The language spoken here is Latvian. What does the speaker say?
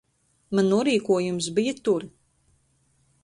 Man norīkojums bija tur.